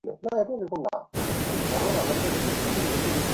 পরে হত্যাকারীরা চারটি ককটেলের বিস্ফোরণ ঘটিয়ে এলাকায় আতঙ্ক সৃষ্টি করে পালিয়ে যায়।